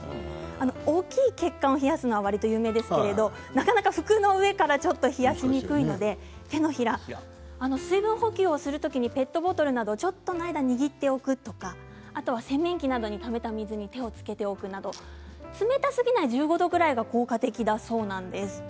大きい血管を冷やすのはわりと有名ですけれどなかなか服の上から冷やしにくいので手のひら水分補給をするときにペットボトルなどをちょっとの間、握っておくとか洗面器などにためた水に手をつけておくなど冷たすぎない１５度くらいが効果的だそうです。